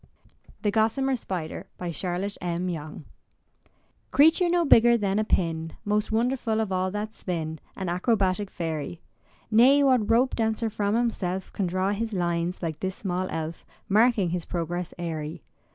THE GOSSAMER SPIDER Charlotte M. Yonge Creature no bigger than a pin, Most wonderful of all that spin, An acrobatic fairy. Nay, what rope dancer from himself Can draw his lines, like this small elf, Marking his progress airy.